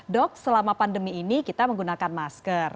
dok selama pandemi ini kita menggunakan masker